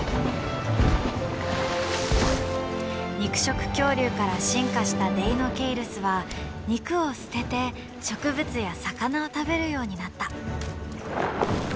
肉食恐竜から進化したデイノケイルスは肉を捨てて植物や魚を食べるようになった。